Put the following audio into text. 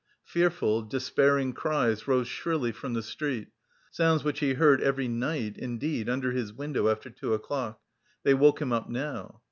Fearful, despairing cries rose shrilly from the street, sounds which he heard every night, indeed, under his window after two o'clock. They woke him up now.